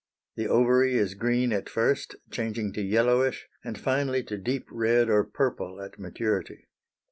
The ovary is green at first, changing to yellowish, and finally to deep red or purple at maturity.